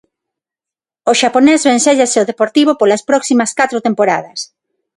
O xaponés vencéllase ao Deportivo polas próximas catro temporadas.